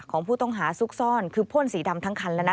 ของผู้ต้องหาซุกซ่อนคือพ่นสีดำทั้งคันแล้วนะ